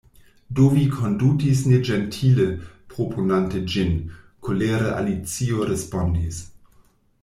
"Do vi kondutis neĝentile, proponante ĝin," kolere Alicio respondis.